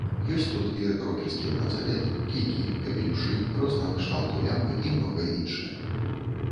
Ёсць тут і рокерскія бранзалеты, кійкі, капелюшы, рознага кшталту лямпы і многае іншае.